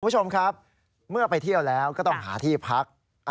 คุณผู้ชมครับเมื่อไปเที่ยวแล้วก็ต้องหาที่พัก